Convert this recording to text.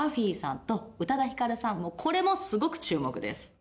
これもすごく注目です。